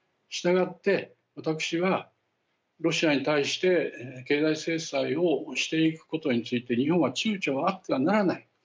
したがって私はロシアに対して経済制裁をしていくことについて日本はちゅうちょがあってはならない。